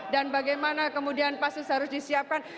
dan bagaimana kemudian pasus harus disiapkan